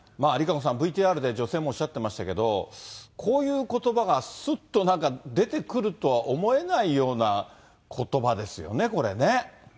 ＲＩＫＡＣＯさん、ＶＴＲで女性もおっしゃっていましたけど、こういうことばが、すっとなんか出てくるとは思えないようなことばですよね、これね。